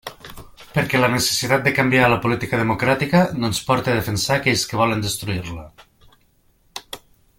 Perquè la necessitat de canviar la política democràtica no ens porte a defensar aquells que volen destruir-la.